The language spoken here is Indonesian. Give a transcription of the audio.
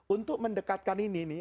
untuk mendekatkan ini nih